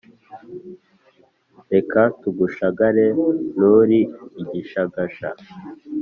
Reka tugushagare nturi igishagasha